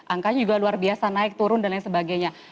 angkanya juga luar biasa naik turun dan lain sebagainya